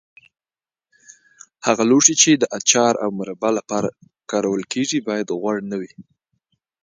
هغه لوښي چې د اچار او مربا لپاره کارول کېږي باید غوړ نه وي.